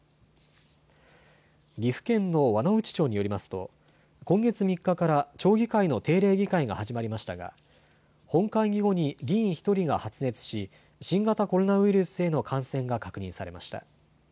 岐阜県の輪之内町によりますと今月３日から町議会の定例議会が始まりましたが本会議後に議員１人が発熱し新型コロナウイルスへの感染が確認されました。